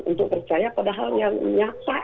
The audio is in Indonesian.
untuk percaya padahal yang nyata